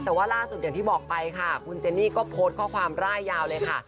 แต่ว่าล่าสุดอย่างที่บอกไปค่ะคุณเจนี่ก็โพสต์ข้อความร่ายยาวเลยค่ะ